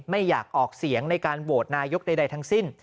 ไม่อยากออกเสียงในการโหวตนายกใดทั้งสิ้น